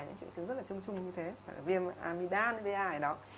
những triệu chứng rất là chung chung như thế viêm amidal vi ai đó